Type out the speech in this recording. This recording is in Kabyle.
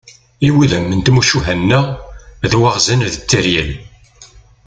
Iwudam n tmucuha-nneɣ d waɣzen d tteryel.